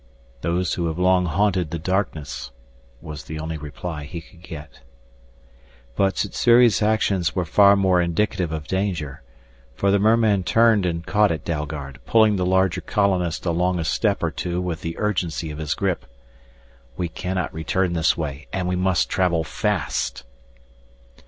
"Those who have long haunted the darkness," was the only reply he could get. But Sssuri's actions were far more indicative of danger. For the merman turned and caught at Dalgard, pulling the larger colonist along a step or two with the urgency of his grip. "We cannot return this way and we must travel fast!"